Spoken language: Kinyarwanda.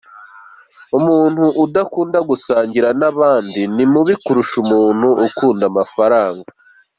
Umuntu udakunda gusangira n’abandi ni mubi kurusha umuntu ukunda amafaranga.